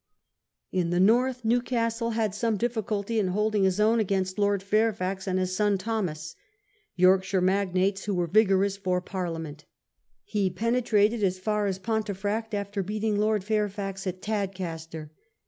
In the North Newcastle had some difficulty in holding his own against Lord Fairfax and his son Thomas, York Newcastle in shire magnates who were vigorous for Parlia the North. ment. He penetrated as far as Pontefract after beating Lord Fairfax at Tadcaster.